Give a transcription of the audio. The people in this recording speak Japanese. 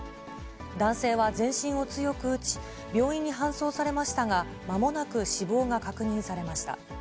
男性は全身を強く打ち、病院に搬送されましたが、まもなく死亡が確認されました。